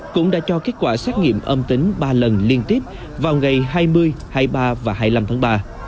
cũng đã cho kết quả xét nghiệm âm tính ba lần liên tiếp vào ngày hai mươi hai mươi ba và hai mươi năm tháng ba